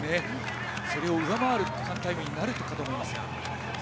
それを上回る区間タイムになるかと思いますが。